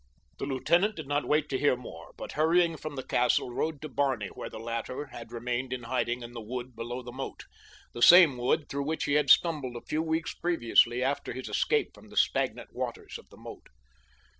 The lieutenant did not wait to hear more, but, hurrying from the castle, rode to Barney where the latter had remained in hiding in the wood below the moat—the same wood through which he had stumbled a few weeks previously after his escape from the stagnant waters of the moat.